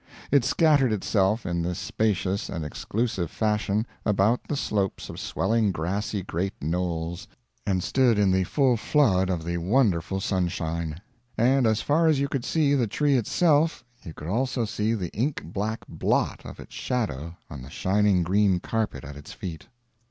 It scattered itself in this spacious and exclusive fashion about the slopes of swelling grassy great knolls, and stood in the full flood of the wonderful sunshine; and as far as you could see the tree itself you could also see the ink black blot of its shadow on the shining green carpet at its feet.